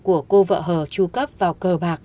của cô vợ hờ tru cấp vào cờ bạc